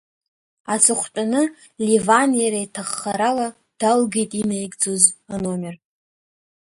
Аҵыхәтәаны Леван иара иҭаххарала далгеит инаигӡоз аномер.